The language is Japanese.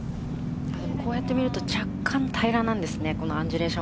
こうやってみると若干、平らなんですね。